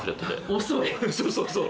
そうそうそう！